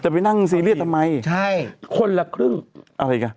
ไปนั่งซีเรียสทำไมใช่คนละครึ่งอะไรกัน